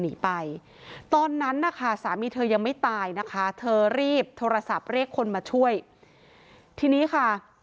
หนีไปตอนนั้นนะคะสามีเธอยังไม่ตายนะคะเธอรีบโทรศัพท์เรียกคนมาช่วยทีนี้ค่ะ